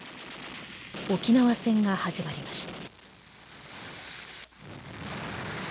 沖縄戦が始まりました。